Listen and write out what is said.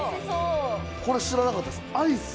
これ知らなかったです